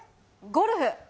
ゴルフ？